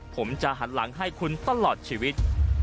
ผมจะหันหลังให้คุณตลอดชีวิต